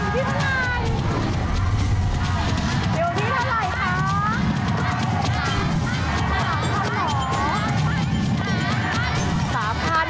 เท่าไหร่อยู่ที่เท่าไหร่